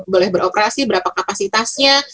boleh beroperasi berapa kapasitasnya